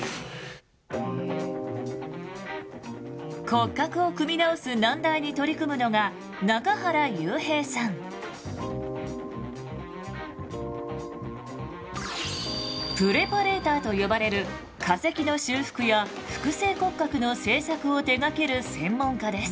骨格を組み直す難題に取り組むのがプレパレーターと呼ばれる化石の修復や複製骨格の製作を手がける専門家です。